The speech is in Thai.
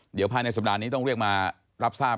เดี๋ยวภายในสัปดาห์นี้ต้องเรียกมารับทราบ